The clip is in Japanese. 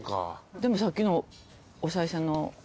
でもさっきのおさい銭の。